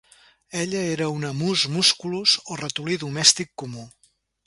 Ella era una "Mus musculus" o ratolí domèstic comú